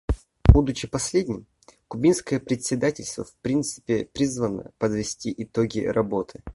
Будучи последним, кубинское председательство в принципе призвано подвести итоги работы.